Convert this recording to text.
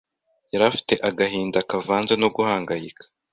Yari afite agahinda kavanze no guhangayika